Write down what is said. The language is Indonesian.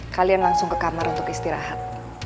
kalian langsung ke kamar untuk istirahat